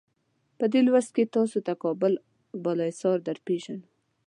په دې لوست کې تاسې ته کابل بالا حصار درپېژنو.